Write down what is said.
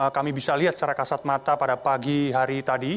kami bisa lihat secara kasat mata pada pagi hari tadi